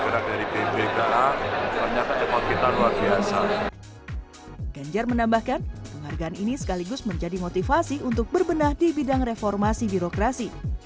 ganjar menambahkan penghargaan ini sekaligus menjadi motivasi untuk berbenah di bidang reformasi birokrasi